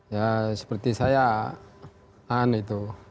ya seperti saya an itu